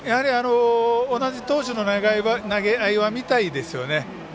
同じ投手の投げ合いは見たいですよね。